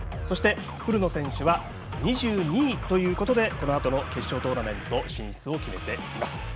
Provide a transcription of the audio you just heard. そして、古野選手は２２位でこのあとの決勝トーナメントへの進出を決めています。